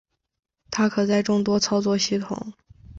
它可在众多操作系统。